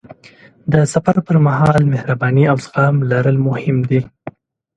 د سفر پر مهال مهرباني او زغم لرل مهم دي.